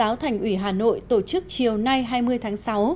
ban giáo thành ủy hà nội tổ chức chiều nay hai mươi tháng sáu